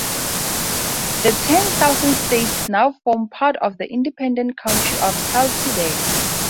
The ten southern states now form part of the independent country of South Sudan.